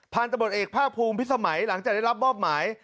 ตำรวจเอกภาคภูมิพิสมัยหลังจากได้รับมอบหมาย